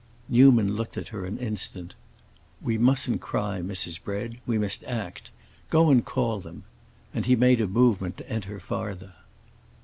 Newman looked at her an instant. "We mustn't cry, Mrs. Bread; we must act. Go and call them!" And he made a movement to enter farther.